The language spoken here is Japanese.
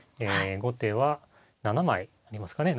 後手は７枚ありますかね。